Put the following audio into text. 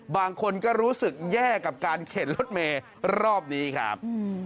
บางคนก็รู้สึกแย่กับการเข็นรถเมย์รอบนี้ครับ